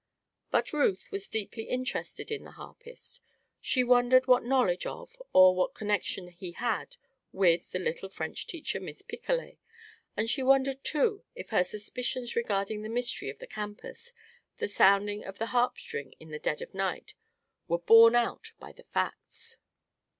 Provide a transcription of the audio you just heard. But Ruth was deeply interested in the harpist. She wondered what knowledge of, or what connection he had with, the little French teacher, Miss Picolet. And she wondered, too, if her suspicions regarding the mystery of the campus the sounding of the harpstring in the dead of night were borne out by the facts?